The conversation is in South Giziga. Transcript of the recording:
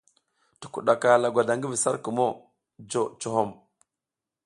Tukuɗaka lagwada ngi vi sar kumuŋ jo cohom.